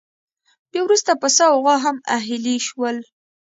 بیا وروسته پسه او غوا هم اهلي شول.